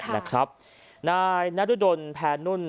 นายนรุดลแพนุ่น